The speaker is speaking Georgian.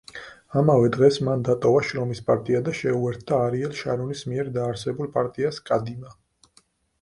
ამავე დღეს მან დატოვა შრომის პარტია და შეუერთდა არიელ შარონის მიერ დაარსებულ პარტიას „კადიმა“.